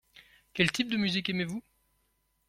Quel type de musique aimez-vous ?